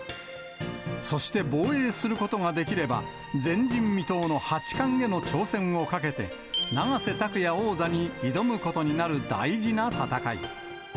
そして防衛することができれば、前人未到の八冠への挑戦をかけて、永瀬拓矢王座に挑むことになる大事な戦い。